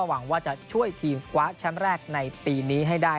หวังว่าจะช่วยทีมคว้าแชมป์แรกในปีนี้ให้ได้